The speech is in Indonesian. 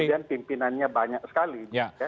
dan kemudian pimpinannya banyak sekali